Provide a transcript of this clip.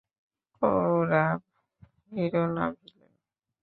Kaurav hero না villain?